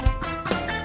sampai ketemu lagi